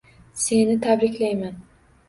Seni tabriklayman